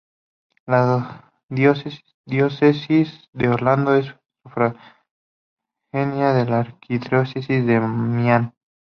La Diócesis de Orlando es sufragánea de la Arquidiócesis de Miami.